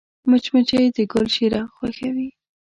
مچمچۍ د ګل شیره خوښوي